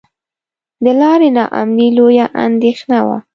د لارې نا امني لویه اندېښنه وه.